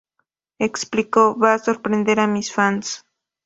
Explicó: "Va a sorprender a mis fans.